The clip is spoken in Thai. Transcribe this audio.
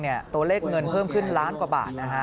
ตัวเลขเงินเพิ่มขึ้นล้านกว่าบาทนะฮะ